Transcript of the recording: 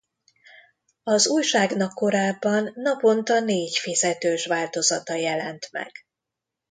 Az újságnak korábban naponta négy fizetős változata jelent meg.